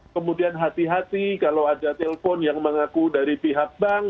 kemudian hati hati kalau ada telpon yang mengaku dari pihak bank